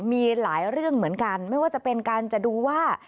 มีหลายเรื่องเหมือนกันไม่ว่าจะเป็นการจะดูว่า